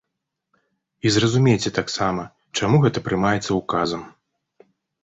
І зразумейце таксама, чаму гэта прымаецца ўказам.